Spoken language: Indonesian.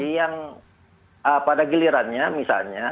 yang pada gilirannya misalnya